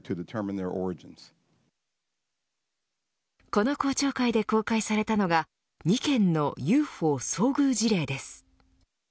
この公聴会で公開されたのが２件のＵＦＯ遭遇事例です。